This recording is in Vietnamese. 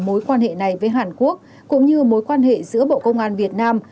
mối quan hệ này với hàn quốc cũng như mối quan hệ giữa bộ công an việt nam